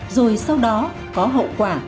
rồi sau đó có hậu quả